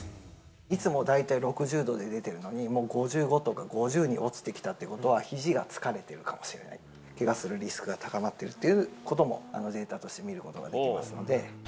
いつも大体６０度で出てるのに、もう５５とか、５０に落ちてきたってことは、ひじが疲れてるかもしれない、けがするリスクが高まっているっていうことも、あのデータとして見ることができますので。